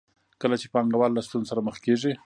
کله چې پانګوال له ستونزو سره مخ کېږي